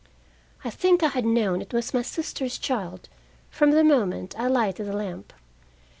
I think I had known it was my sister's child from the moment I lighted the lamp.